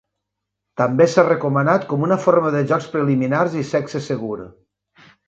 També s"ha recomanat com una forma de jocs preliminars i sexe segur.